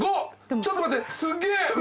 ちょっと待ってすげえむずい。